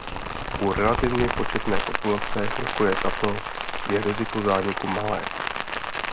U relativně početné populace jako je tato je riziko zániku malé.